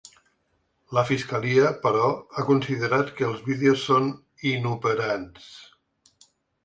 La fiscalia, però, ha considerat que els vídeos són ‘inoperants’.